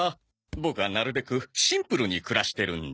ボクはなるべくシンプルに暮らしてるんだ。